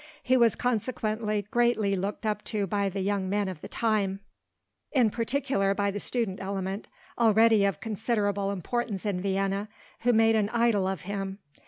He was consequently greatly looked up to by the young men of the time, in particular by the student element, already of considerable importance in Vienna, who made an idol of him.